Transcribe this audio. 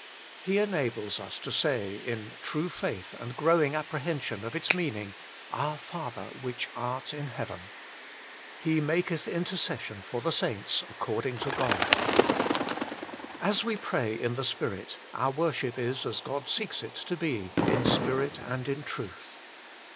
He enables us to say, in true faith and growing appre hension of its meaning, Our Father which art in heaven. "He maketh intercession for the saints according to God." And as we pray in the Spirit, our worship is as God seeks it to be, " in spirit and in truth."